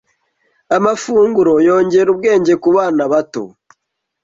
amafunguro yongera ubwenge ku bana bato